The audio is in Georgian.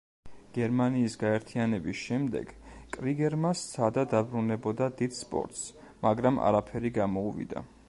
გერმანიის გაერთიანების შემდეგ კრიგერმა სცადა დაბრუნებოდა დიდ სპორტს, მაგრამ არაფერი გამოუვიდა.